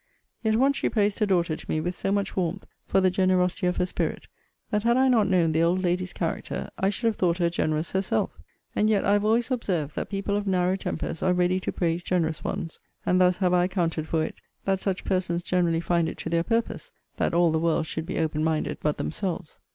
Yet once she praised her daughter to me with so much warmth for the generosity of her spirit, that had I not known the old lady's character, I should have thought her generous herself. And yet I have always observed, that people of narrow tempers are ready to praise generous ones: and thus have I accounted for it that such persons generally find it to their purpose, that all the world should be open minded but themselves.